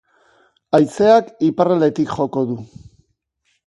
Haizeak iparraldetik joko du.